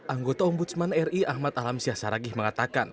anggota ombudsman ri ahmad alamsyah saragih mengatakan